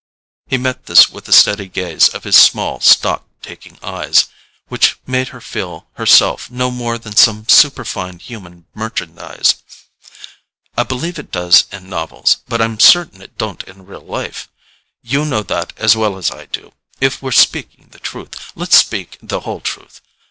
He met this with a steady gaze of his small stock taking eyes, which made her feel herself no more than some superfine human merchandise. "I believe it does in novels; but I'm certain it don't in real life. You know that as well as I do: if we're speaking the truth, let's speak the whole truth.